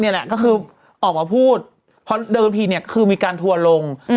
นี่แหละก็คือออกมาพูดเพราะเดินไปทีมีการทัวร์ลง